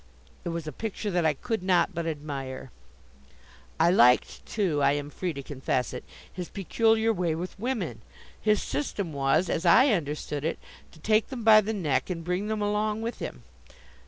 It was a picture that I could not but admire. I liked, too I am free to confess it his peculiar way with women. His system was, as I understood it, to take them by the neck and bring them along with him.